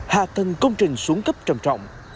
hạ tầng công trình xuống cấp trầm trọng